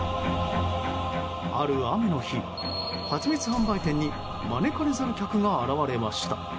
ある雨の日、ハチミツ販売店に招かれざる客が現れました。